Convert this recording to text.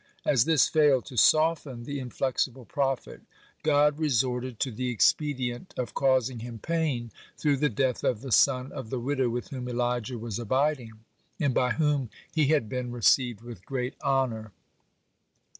As this failed to soften the inflexible prophet, God resorted to the expedient of causing him pain through the death of the son of the widow with whom Elijah was abiding, and by whom he had been received with great honor.